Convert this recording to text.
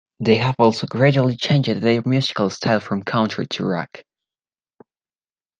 They have also gradually changed their musical style from country to rock.